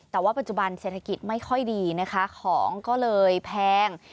แต่ว่าปัจจุบันเศรษฐกิจไม่ค่อยดีนะคะของก็เลยแพง